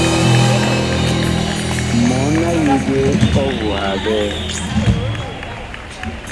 Mɔɔn a yeɓe ɔvuha vɛɛ.